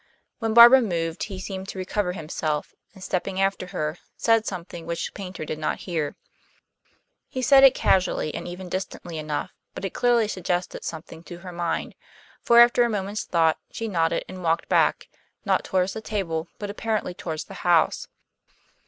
When Barbara moved he seemed to recover himself, and stepping after her, said something which Paynter did not hear. He said it casually and even distantly enough, but it clearly suggested something to her mind; for, after a moment's thought, she nodded and walked back, not toward the table, but apparently toward the house.